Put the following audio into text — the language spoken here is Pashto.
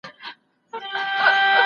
هغه پخوا څو مطالب وړاندې کړل.